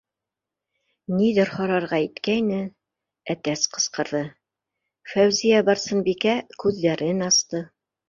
- Ниҙер һорарға иткәйне, әтәс ҡысҡырҙы, Фәүзиә-Барсынбикә күҙҙәрен асты.